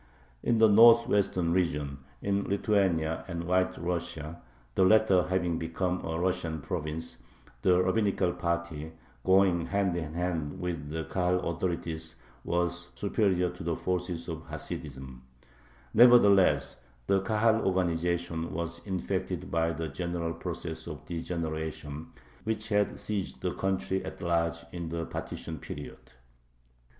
In the northwestern region, in Lithuania and White Russia, the latter having become a Russian province the rabbinical party, going hand in hand with the Kahal authorities, was superior to the forces of Hasidism. Nevertheless the Kahal organization was infected by the general process of degeneration, which had seized the country at large in the partition period.